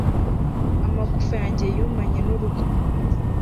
amagufa yanjye yumanye n'uruhu